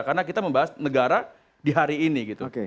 karena kita membahas negara di hari ini